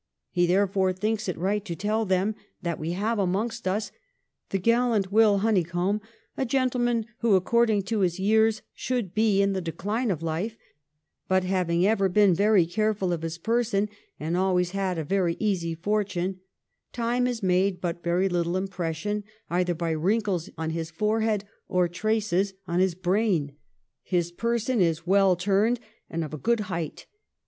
He therefore thinks it right to tell us that ' we have amongst us the gallant Will Honeycomb, a gentleman who, according to his years, should be in the decline of life, but, having ever been very careful of his person, and always had a very easy fortune, time has made but very little impression, either by wrinkles on his forehead or traces on his brain. His person is well turned, and of a good height.